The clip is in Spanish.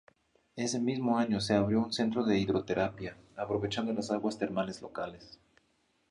Ese mismo año se abrió un centro de hidroterapia, aprovechando las aguas termales locales.